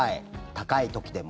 高い時でも。